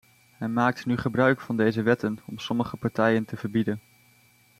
Hij maakt nu gebruik van deze wetten om sommige partijen te verbieden.